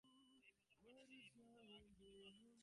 এই প্রথম কাঁটাটি মন্দ, আর দ্বিতীয়টি ভাল।